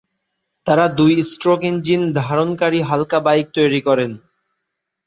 তাঁরা দুই stroke engine ধারণকারী হালকা বাইক তৈরি করেন।